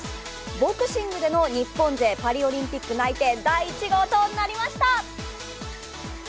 ボクシングでの日本勢パリオリンピック内定第１号となりました！